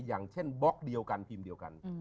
อย่างเช่นบล็อกเดียวกันทีมเดียวกัน